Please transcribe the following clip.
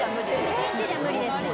一日じゃ無理です。